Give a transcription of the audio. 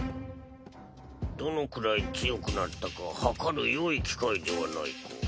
どのくらい強くなったか測るよい機会ではないか。